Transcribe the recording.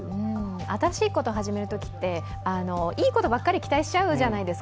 新しいことを始めるときっていいことばかり期待しちゃうじゃないですか。